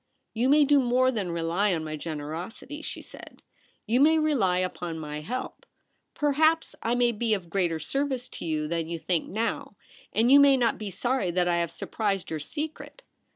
* You may do more than rely on my generosity,' she said. ' You may rely upon my help. Perhaps I may be of greater service to you than you think now. and you may not be sorry that I have surprised your secret.